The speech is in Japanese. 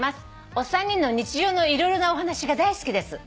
お三人の日常の色々なお話が大好きです」